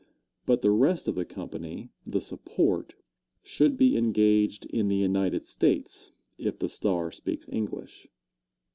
But the rest of the company the support should be engaged in the United States, if the star speaks English.